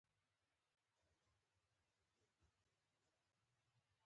د ميلمنو لويه کوټه يې په ټوپکوالو ډکه وه.